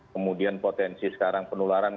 kemudian potensi sekarang penularan